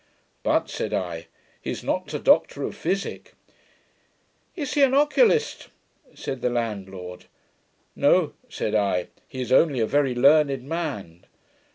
'But,' said I, 'he is not a doctor of physick.' 'Is he an oculist?' said the landlord. 'No,' said I, 'he is only a very learned man.'